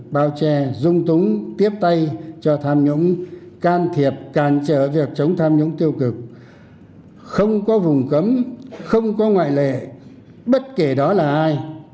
bao che dung túng tiếp tay cho tham nhũng can thiệp càn trở việc chống tham nhũng tiêu cực không có vùng cấm không có ngoại lệ bất kể đó là ai